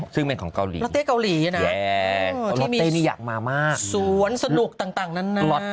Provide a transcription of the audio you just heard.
ซึ่งเป็นของเกาหลีนะรอเต้นี่อยากมามากสวนสนุกต่างนาน